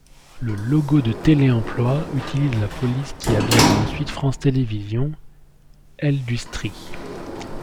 Le logo de Télé emploi utilise la police qui habillera ensuite France Télévisions, Heldustry.